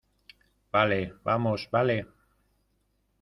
vale, vamos. vale .